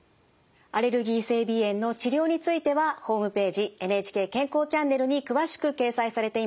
アレルギー性鼻炎の治療についてはホームページ「ＮＨＫ健康チャンネル」に詳しく掲載されています。